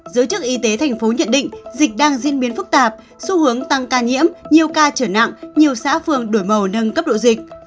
giới chức y tế thành phố nhận định dịch đang diễn biến phức tạp xu hướng tăng ca nhiễm nhiều ca trở nặng nhiều xã phường đổi màu nâng cấp độ dịch